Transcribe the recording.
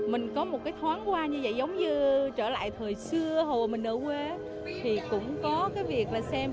mình có một cái thoáng qua như vậy giống như trở lại thời xưa hồi mình ở quê thì cũng có cái việc là xem